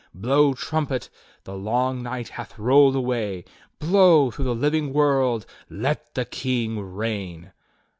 Blow trumpet, the long night hath roll'd away! Blow through the living world — "Let the King reign!"